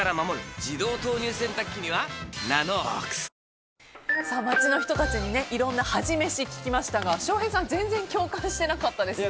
自動投入洗濯機には「ＮＡＮＯＸ」街の人たちにいろんな恥飯を聞きましたが翔平さん全然共感してなかったですね。